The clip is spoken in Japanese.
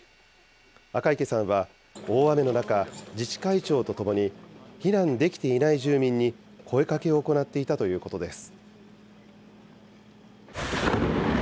赤池さんは大雨の中、自治会長と共に、避難できていない住民に、声かけを行っていたということです。